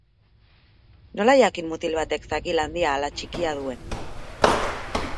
Nola jakin mutil batek zakil handia ala txikia duen?